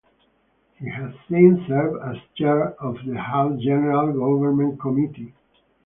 He has since served as chair of the House General Government Committee.